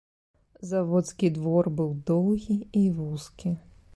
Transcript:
Заводскі двор быў доўгі і вузкі.